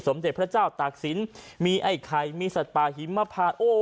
สมเด็จพระเจ้าตากศิลป์มีไอ้ไข่มีสัตว์ปลาหิมพาโอ้โห